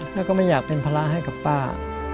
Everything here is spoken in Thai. แล้วก็ไม่อยากเป็นภาระให้กับป้า